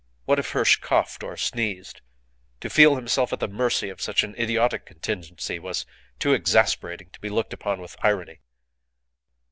What if Hirsch coughed or sneezed? To feel himself at the mercy of such an idiotic contingency was too exasperating to be looked upon with irony.